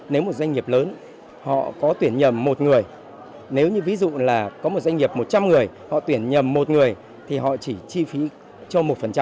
nếu một doanh nghiệp lớn họ có tuyển nhầm một người nếu như ví dụ là có một doanh nghiệp một trăm linh người họ tuyển nhầm một người thì họ chỉ chi phí cho một